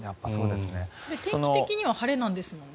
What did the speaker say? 天気的には晴れなんですよね。